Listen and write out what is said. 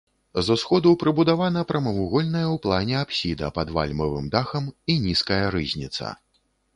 З усходу прыбудавана прамавугольная ў плане апсіда пад вальмавым дахам і нізкая рызніца.